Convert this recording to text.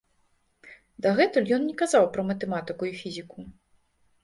Дагэтуль ён не казаў пра матэматыку і фізіку.